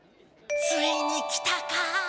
ついに来たか。